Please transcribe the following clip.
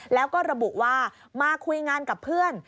แล้วก็ระบุว่ามาคุยงานกับเพื่อน